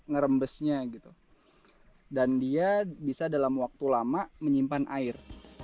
ngerembesnya gitu dan dia bisa dalam waktu lama menyimpan air